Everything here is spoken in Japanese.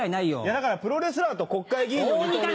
だからプロレスラーと国会議員の二刀流。